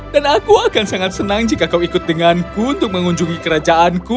dan aku akan sangat senang jika kau ikut denganku untuk mengunjungi kerajaanku